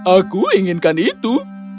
aku inginkan itu